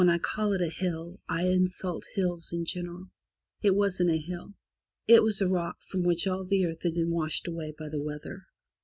264 FROM THE TOWER WINDOW call it a hill, I insult hills in general. It wasn't a hill. It was a rock from which all the earth had been washed away by the weather.